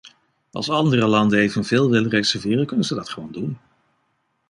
Als andere landen evenveel willen reserveren, kunnen ze dat gewoon doen.